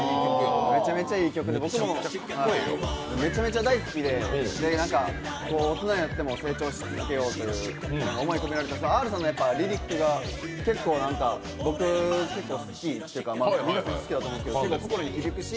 めちゃくちゃいい曲でめちゃめちゃ大好きで、大人になっても成長し続けようという思いが込められた、Ｒさんのリリックが結構僕、好きで皆さん好きだと思うんですけど心に響きますし